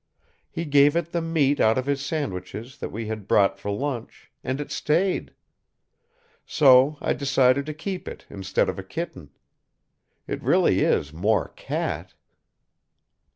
He gave it the meat out of his sandwiches that we had brought for lunch, and it stayed. So I decided to keep it instead of a kitten. It really is more cat!"